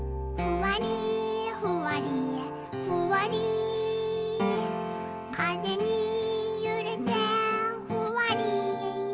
「ふわりふわりふわりかぜにゆれてふわり」